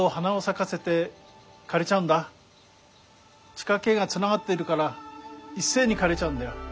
地下けいがつながっているからいっせいにかれちゃうんだよ。